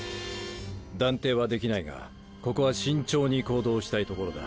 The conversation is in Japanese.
断定はできないがここは慎重に行動したいところだ。